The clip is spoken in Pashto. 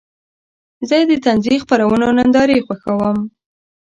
زه د طنزي خپرونو نندارې خوښوم.